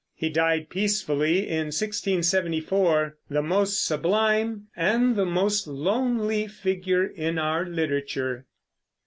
He died peacefully in 1674, the most sublime and the most lonely figure in our literature.